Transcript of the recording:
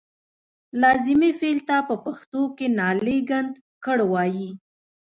لازمي فعل ته په پښتو کې نالېږندکړ وايي.